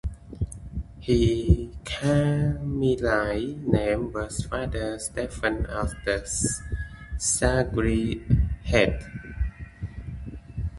His Carmelite name was Father Stephen of the Sacred Heart.